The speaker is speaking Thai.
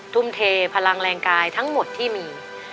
ทุ่มเทพลังแรงกายทั้งหมดที่มี